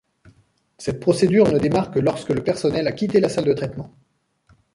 Cette procédure ne démarre que lorsque le personnel a quitté la salle de traitement.